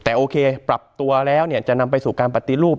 แต่โอเคปรับตัวแล้วจะนำไปสู่การปฏิรูป